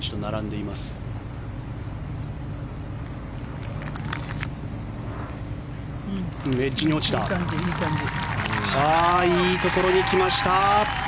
いいところに来ました。